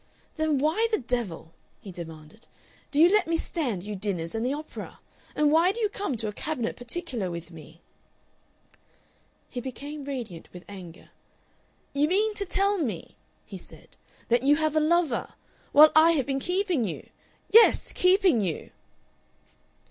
"Then why the devil," he demanded, "do you let me stand you dinners and the opera and why do you come to a cabinet particuliar with me?" He became radiant with anger. "You mean to tell me" he said, "that you have a lover? While I have been keeping you! Yes keeping you!"